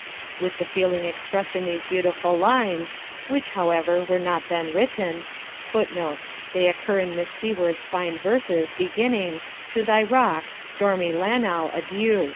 With the feeling expressed in these beautiful lines (which, however, were not then written), [Footnote: They occur in Miss Seward's fine verses, beginning 'To thy rocks, stormy Lannow, adieu.'